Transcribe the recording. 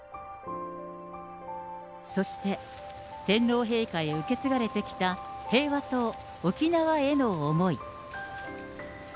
そして、天皇陛下へ受け継がれてきた平和と沖縄への思い。